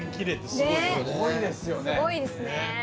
すごいですね！